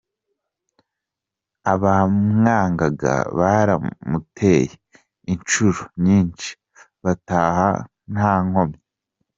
Abamwangaga baramuteye inshuro nyinshi bataha ntankomyi.